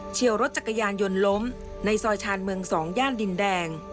เชี่ยวรถจักรยานยนต์ล้มในซอยชาญเมือง๒ย่านดินแดง